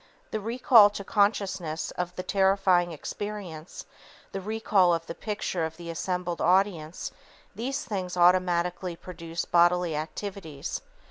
The recall to consciousness of the terrifying experience, the recall of the picture of the assembled audience, these things automatically produce bodily activities.